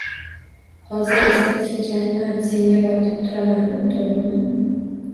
Hozir esa tikanman, senga botib turaman, to'g'rimi?